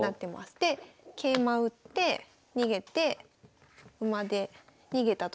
で桂馬打って逃げて馬で逃げたときに。